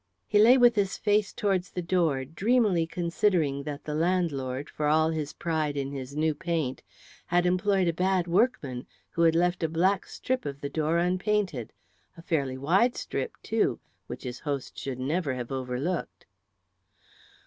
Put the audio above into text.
He lay with his face towards the door, dreamily considering that the landlord, for all his pride in his new paint, had employed a bad workman who had left a black strip of the door unpainted, a fairly wide strip, too, which his host should never have overlooked.